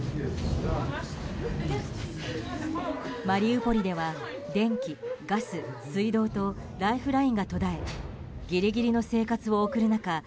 マリウポリでは電気・ガス・水道とライフラインが途絶えギリギリの生活を送る中